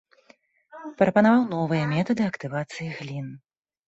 Прапанаваў новыя метады актывацыі глін.